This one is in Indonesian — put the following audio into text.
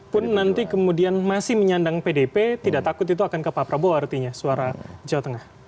pun nanti kemudian masih menyandang pdp tidak takut itu akan ke pak prabowo artinya suara jawa tengah